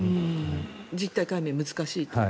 実態解明は難しいと？